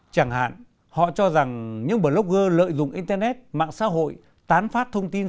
chẳng hạn họ cho rằng những blogger lợi dụng internet mạng xã hội tán phát thông tin